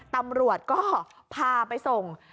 ตำรวจก็พาไปส่ง